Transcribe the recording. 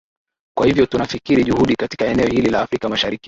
kwa hivyo tunafikiri juhudi katika eneo hili la afrika mashariki